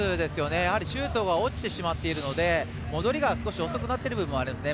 やはりシュートが落ちてしまっているので戻りが少し遅くなっているのがありますね。